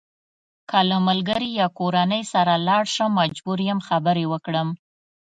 که له ملګري یا کورنۍ سره لاړ شم مجبور یم خبرې وکړم.